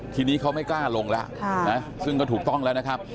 ทีนี้เขาไม่กล้าลงแล้วซึ่งก็ถูกต้องแล้วนะครับ